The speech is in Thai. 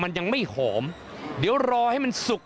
มันยังไม่หอมเดี๋ยวรอให้มันสุก